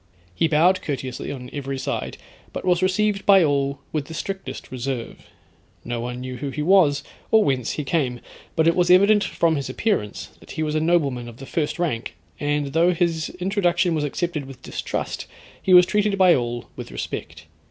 He bowed courteously on every side, but was received by all with the strictest reserve. No one knew who he was or whence he came, but it was evident from his appearance, that he was a nobleman of the first rank, and though his introduction was accepted with distrust, he was treated by all with respect.